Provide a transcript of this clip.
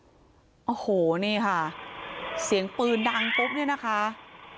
เพื่อนข้างหุ้ดแล้วก็กลัวไปแอมบันเตียงแก๊มโอ้โห